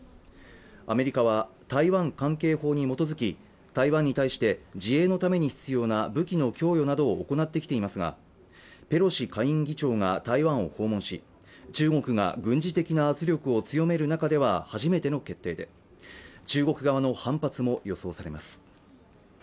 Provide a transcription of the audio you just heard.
アメリカは台湾関係法に基づき台湾に対して自衛のために必要な武器の供与などを行ってきていますがペロシ下院議長が台湾を訪問し中国が軍事的な圧力を強める中では初めての決定で中国側の反発も予想されます